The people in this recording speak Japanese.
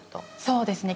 そうですね。